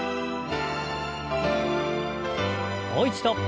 もう一度。